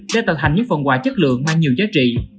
để tạo hành những phần quà chất lượng mang nhiều giá trị